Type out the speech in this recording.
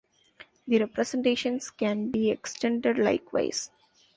The representations can be extended likewise.